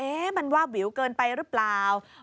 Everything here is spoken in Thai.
เอ๊ะมันว่ากวิวเกินไปหรือเปล่า